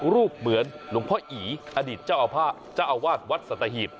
รูปเหมือนหลวงพ่ออีอดีตเจ้าอาวาสเจ้าอาวาสวัดสัตหีบ